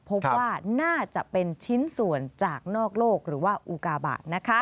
พบว่าน่าจะเป็นชิ้นส่วนจากนอกโลกหรือว่าอุกาบะ